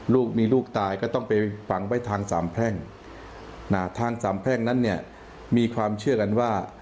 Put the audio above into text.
ลูกมีลูกตายก็ต้องไปฝังไว้ทางสามแพร่งทางสามแพร่งนั้นเนี่ยมีความเชื่อกันว่า